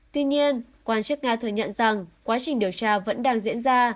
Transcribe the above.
tuy nhiên quan chức nga thừa nhận rằng quá trình điều tra vẫn đang diễn ra